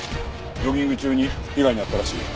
ジョギング中に被害に遭ったらしい。